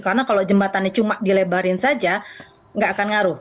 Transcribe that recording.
karena kalau jembatannya cuma dilebarin saja tidak akan mengaruh